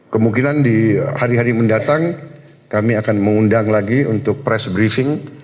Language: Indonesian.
kemungkinan di hari hari mendatang kami akan mengundang lagi untuk press briefing